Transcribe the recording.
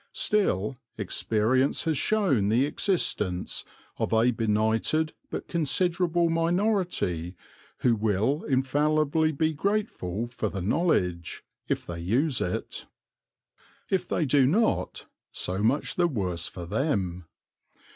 Still, experience has shown the existence of a benighted but considerable minority who will infallibly be grateful for the knowledge, if they use it. If they do not, so much the worse for them.